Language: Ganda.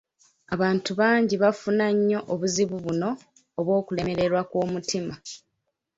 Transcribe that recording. Abantu bangi bafuna nnyo obuzibu buno obw'okulemererwa kw'omutima